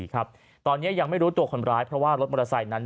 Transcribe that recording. ครับตอนนี้ยังไม่รู้ตัวคนร้ายเพราะว่ารถมอเตอร์ไซค์นั้น